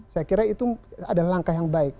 saya kira itu ada langkah yang baik